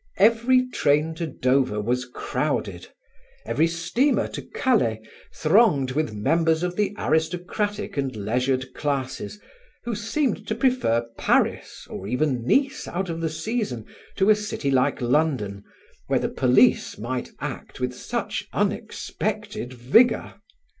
Every train to Dover was crowded; every steamer to Calais thronged with members of the aristocratic and leisured classes, who seemed to prefer Paris, or even Nice out of the season, to a city like London, where the police might act with such unexpected vigour.